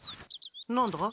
何だ？